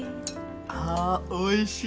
あおいしい！